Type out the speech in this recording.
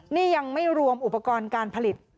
นี่ยังไม่รวมอุปกรณ์การผลิต